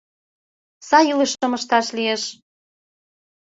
Сай илышым ышташ лиеш.